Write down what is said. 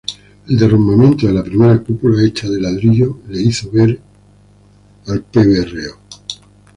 El derrumbamiento de la primera cúpula, hecha de ladrillo, le hizo ver al Pbro.